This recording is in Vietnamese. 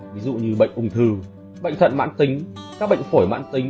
ví dụ như bệnh ung thư bệnh thận mãn tính các bệnh phổi mãn tính